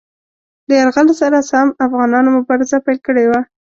له یرغل سره سم افغانانو مبارزه پیل کړې وه.